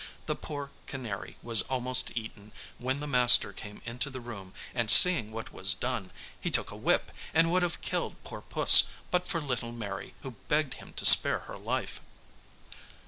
The poor canary was almost eaten, when the master came into the room, and seeing what was done, he took a whip, and would have killed poor Puss, but for little Mary, who begged him to spare her life.